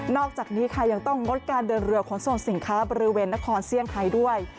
อกจากนี้ค่ะยังต้องงดการเดินเรือขนส่งสินค้าบริเวณนครเซี่ยงไฮด้วย